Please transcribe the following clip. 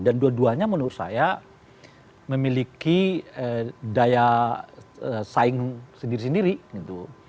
dan dua duanya menurut saya memiliki daya saing sendiri sendiri gitu